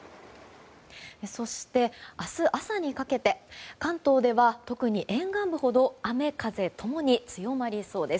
そして、明日朝にかけて関東では特に沿岸部ほど雨風共に強まりそうです。